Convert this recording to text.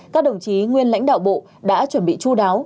các đồng chí nguyên lãnh đạo bộ đã chuẩn bị chú đáo